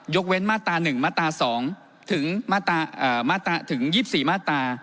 เว้นมาตรา๑มาตรา๒ถึง๒๔มาตรา